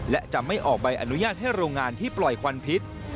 และจะไม่ออกใบอนุญาตให้โรงงานที่ปล่อยควันพิษ